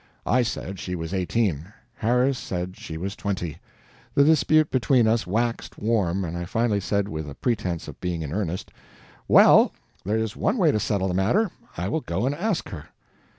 I said she was eighteen, Harris said she was twenty. The dispute between us waxed warm, and I finally said, with a pretense of being in earnest: "Well, there is one way to settle the matter I will go and ask her."